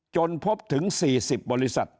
จนพบถึง๔๐บริษัท